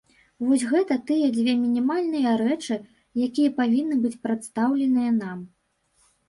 Вось гэта тыя дзве мінімальныя рэчы, якія павінны быць прадстаўленыя нам.